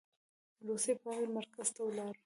روسي پامیر مرکز ته ولاړو.